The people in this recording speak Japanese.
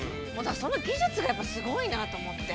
その技術がすごいなと思って。